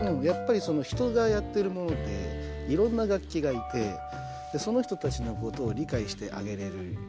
やっぱり人がやってるものでいろんな楽器がいてその人たちのことを理解してあげれる。